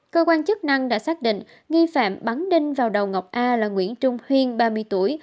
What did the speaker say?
cơ quan chức năng đã xác định nghi phạm bắn đinh vào đầu ngọc a là nguyễn trung huyên ba mươi tuổi